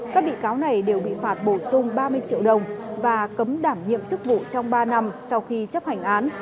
các bị cáo này đều bị phạt bổ sung ba mươi triệu đồng và cấm đảm nhiệm chức vụ trong ba năm sau khi chấp hành án